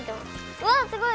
うわすごい。